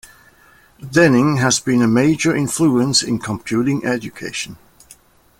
Denning has been a major influence in computing education.